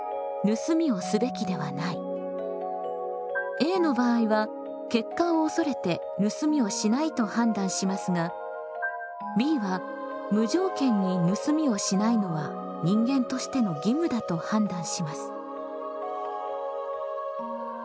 Ａの場合は結果を恐れて盗みをしないと判断しますがＢは無条件に盗みをしないのは人間としての義務だと判断します。